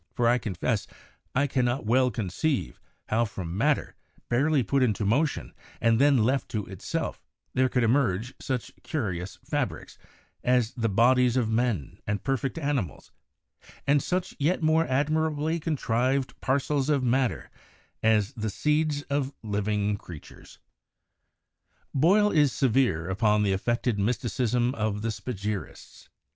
... For I confess I cannot well conceive, how from matter, barely put into motion, and then left to itself, there could emerge such curious fabricks, as the bodies of men and perfect animals, and such yet more admirably contrived parcels of matter, as the seeds of living creatures." Boyle is severe upon the affected mysticism of the Spa gyrists.